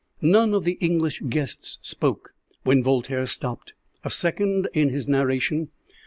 None of the English guests spoke when Voltaire stopped a second in his narration.